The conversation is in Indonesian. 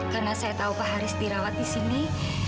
karena saya tahu pak haris dirawat di sini